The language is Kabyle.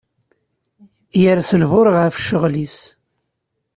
Yers lbuṛ ɣef cceɣl is.